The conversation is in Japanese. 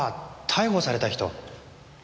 「逮捕された人」。